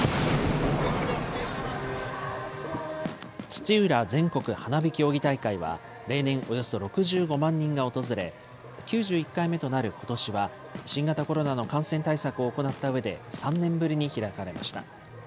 土浦全国花火競技大会は、例年およそ６５万人が訪れ、９１回目となることしは、新型コロナの感染対策を行ったうえで３年ぶりに開かれました。